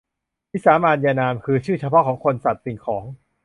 วิสามานยนาม คือชื่อเฉพาะของคน สัตว์ สิ่งของ